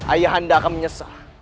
ayah anda akan menyesal